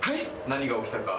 何が起きたか。